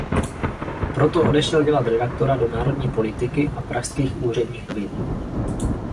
Proto odešel dělat redaktora do Národní politiky a Pražských úředních novin.